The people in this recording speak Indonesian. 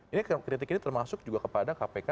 ini kritik ini termasuk juga kepada kpk